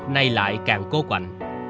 nay lại càng cố quạnh